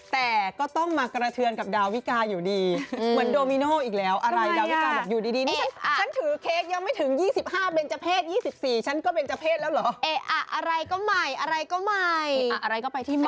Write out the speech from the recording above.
แต่ก็ต้องมากระเทือนกับดาววีกาอยู่ดี